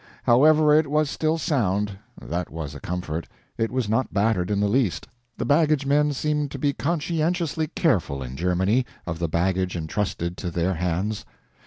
However, it was still sound, that was a comfort, it was not battered in the least; the baggagemen seemed to be conscientiously careful, in Germany, of the baggage entrusted to their hands.